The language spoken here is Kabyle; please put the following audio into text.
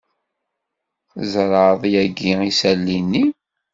Tzerɛeḍ yagi isali-nni?